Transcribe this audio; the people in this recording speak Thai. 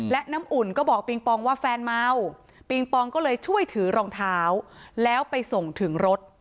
และน้ำอุ่นก็บอกปิงปองว่าแฟนเมาปิงปองก็เลยช่วยถือรองเท้าแล้วไปส่งถึงรถ